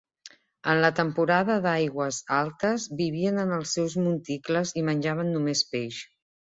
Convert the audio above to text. En la temporada d'aigües altes vivien en els seus monticles i menjaven només peix.